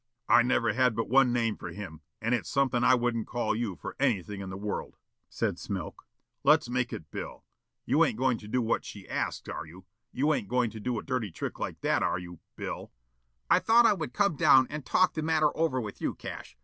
"I never had but one name for him, and it's something I wouldn't call you for anything in the world," said Smilk. "Let's make it Bill. You ain't goin' to do what she asks, are you? You ain't goin' to do a dirty trick like that are you, Bill?" "I thought I would come down and talk the matter over with you, Cash.